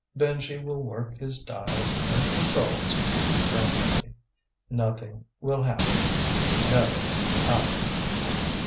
Benji will work his dials and controls, frantically. Nothing will happen. No power.